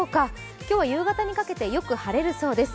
今日は夕方にかけてよく晴れるそうです。